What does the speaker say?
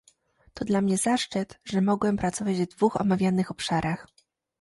To dla mnie zaszczyt, że mogłem pracować w dwóch omawianych obszarach